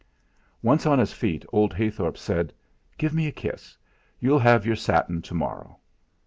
Once on his feet, old Heythorp said: "Give me a kiss. You'll have your satin tomorrow."